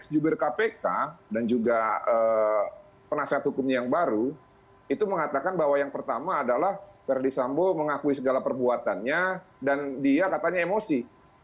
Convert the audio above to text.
jubir kpk dan juga penasihat hukum yang baru itu mengatakan bahwa yang pertama adalah verdi sambo mengakui segala perbuatannya dan dia katanya emosi